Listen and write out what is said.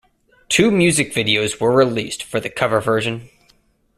Two music videos were released for the cover version.